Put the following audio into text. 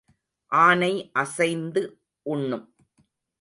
ஆனை அசைந்து உண்ணும்.